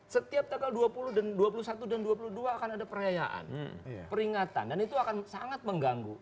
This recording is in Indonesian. setiap tanggal dua puluh satu dan dua puluh dua akan ada perayaan peringatan dan itu akan sangat mengganggu